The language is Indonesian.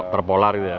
terpolar gitu ya